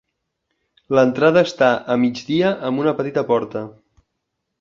L'entrada està a migdia amb una petita porta.